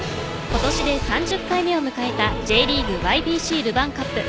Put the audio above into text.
今年で３０回目を迎えたＪリーグＹＢＣルヴァンカップ。